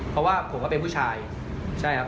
เพราะว่าผมก็เป็นผู้หญิง